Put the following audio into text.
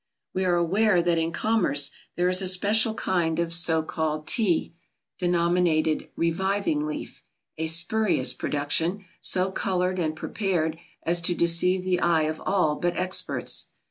We are aware that in commerce there is a special kind of so called Tea, denominated "Reviving Leaf," a spurious production, so coloured and prepared as to deceive the eye of all but experts.